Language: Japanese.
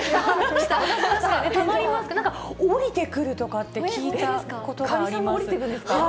なんか下りてくるとかって聞いたことがあります。